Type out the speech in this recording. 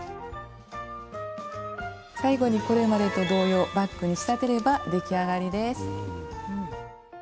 最後にこれまでと同様バッグに仕立てれば出来上がりです。